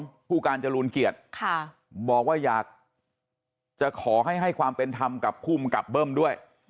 ผู้การจรูนเกียรติค่ะบอกว่าอยากจะขอให้ให้ความเป็นธรรมกับภูมิกับเบิ้มด้วย